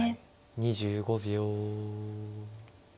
２５秒。